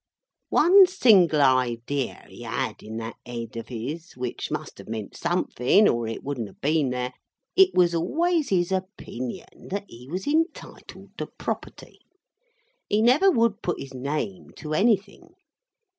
One sing'ler idea he had in that Ed of his, which must have meant something, or it wouldn't have been there. It was always his opinion that he was entitled to property. He never would put his name to anything.